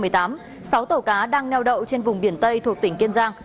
sáu tàu cá đang neo đậu trên vùng biển tây thuộc tỉnh kiên giang